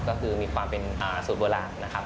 ก็คือมีความเป็นสูตรโบราณนะครับ